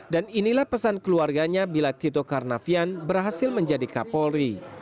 dan inilah pesan keluarganya bila tito karnavian berhasil menjadi kapolri